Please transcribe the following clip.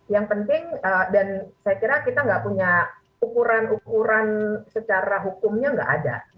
yang penting dan saya kira kita nggak punya ukuran ukuran secara hukumnya nggak ada